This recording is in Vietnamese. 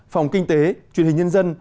phòng kinh tế truyền hình nhân dân